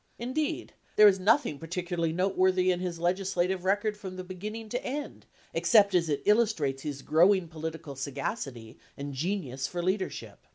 Indeed, there is nothing particularly note worthy in his legislative record from beginning to end, except as it illustrates his growing polit ical sagacity and genius for leadership.